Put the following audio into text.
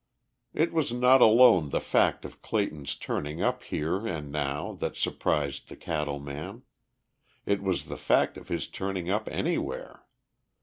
It was not alone the fact of Clayton's turning up here and now that surprised the cattle man; it was the fact of his turning up anywhere.